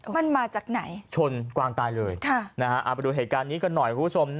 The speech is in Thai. มันมาจากไหนชนกวางตายเลยเอาไปดูเหตุการณ์นี้กันหน่อยคุณผู้ชม